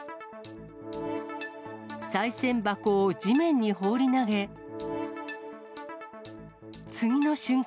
さい銭箱を地面に放り投げ、次の瞬間。